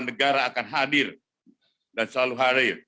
negara akan hadir dan selalu hadir